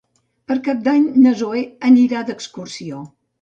Per Cap d'Any na Zoè anirà d'excursió.